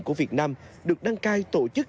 của việt nam được đăng cai tổ chức